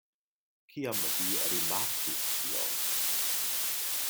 Kiam vi rimarkis tion?